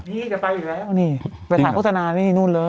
นี่จะไปอยู่แล้วนี่ไปหาโฆษณานี่นู่นแล้ว